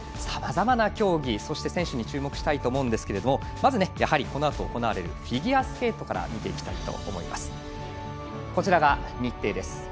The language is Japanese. さまざまな競技、そして選手に注目したいと思いますがまず、やはりこのあと行われるフィギュアスケートから見ていきたいと思います。